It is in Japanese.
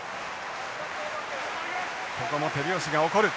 ここも手拍子が起こる。